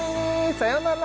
さよなら